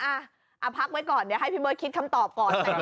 อ่ะพักไว้ก่อนเดี๋ยวให้พี่เบิร์ดคิดคำตอบก่อน